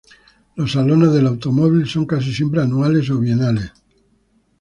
Los salones del automóvil son casi siempre anuales o bienales.